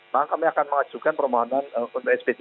maka kami akan mengajukan permohonan untuk sp tiga